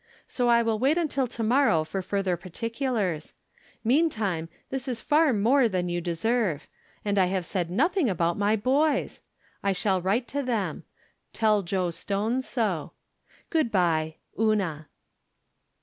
So I will wait until to morrow for further particulars. Meantime, this is far more than you deserve ; and I have said nothing about From Different Standpoints. 223 my boys ! I shall write to them ; tell Joe Stone so. Good by, Una.